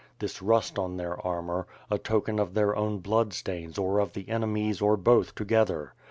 This rust on their armor, a token of their own blood stains or of the enemy's or both together.